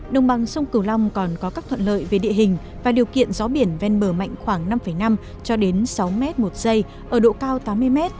đồng bằng sông cửu long còn có các thuận lợi về địa hình và điều kiện gió biển ven bờ mạnh khoảng năm năm cho đến sáu m một giây ở độ cao tám mươi m